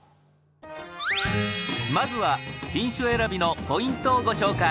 まずは品種選びのポイントをご紹介。